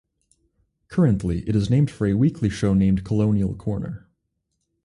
Currently, it is used for a weekly show named Colonial Corner.